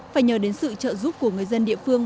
phải nhờ đến sự trợ giúp của người dân địa phương